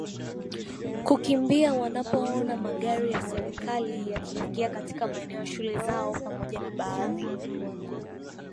kukimbia wanapoona magari ya serikali yakiingia katika maeneo ya shule zao pamoja na baadhi